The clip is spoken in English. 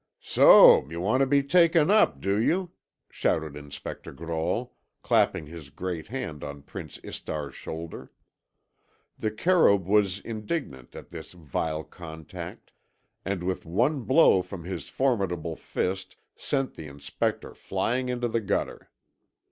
"So you want to be taken up, do you?" shouted Inspector Grolle, clapping his great hand on Prince Istar's shoulder. The Kerûb was indignant at this vile contact, and with one blow from his formidable fist sent the Inspector flying into the gutter.